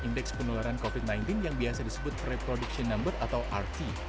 indeks penularan covid sembilan belas yang biasa disebut reproduction number atau rt